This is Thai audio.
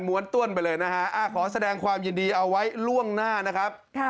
้วนต้วนไปเลยนะฮะขอแสดงความยินดีเอาไว้ล่วงหน้านะครับ